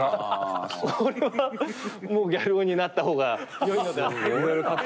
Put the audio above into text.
これはもうギャル男になった方がよいのではないかと。